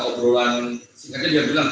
operoluan seingatnya dia bilang